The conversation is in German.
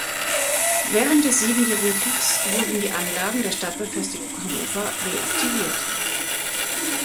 Während des Siebenjährigen Kriegs wurden die Anlagen der Stadtbefestigung Hannover reaktiviert.